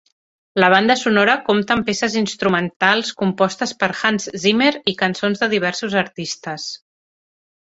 La banda sonora compta amb peces instrumentals compostes per Hans Zimmer i cançons de diversos artistes.